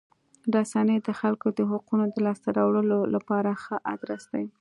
رسنۍ د خلکو د حقوقو د لاسته راوړلو لپاره ښه ادرس دی.